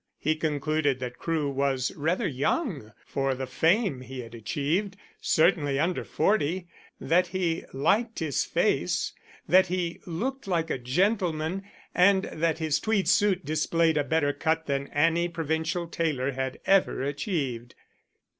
He concluded that Crewe was rather young for the fame he had achieved certainly under forty: that he liked his face; that he looked like a gentleman; and that his tweed suit displayed a better cut than any provincial tailor had ever achieved.